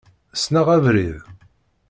Ssneɣ abrid.